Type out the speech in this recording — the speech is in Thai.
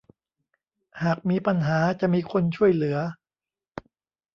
หากมีปัญหาจะมีคนช่วยเหลือ